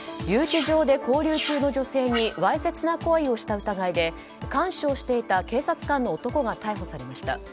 留置場で拘留中の女性にわいせつな行為をした疑いで看守をしていた警察官の男が逮捕されました。